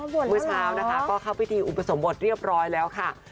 เมื่อเช้านะคะก็เข้าพิธีอุปสมบทเรียบร้อยแล้วค่ะ